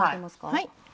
はい。